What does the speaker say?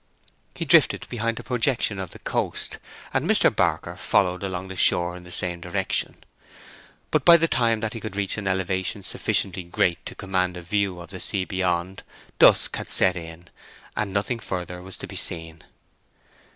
He drifted behind a projection of the coast, and Mr. Barker followed along the shore in the same direction. But by the time that he could reach an elevation sufficiently great to command a view of the sea beyond, dusk had set in, and nothing further was to be seen.